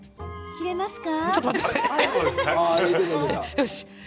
切れますか？